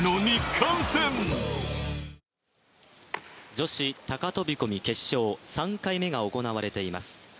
女子高飛び込み決勝３回目が行われています。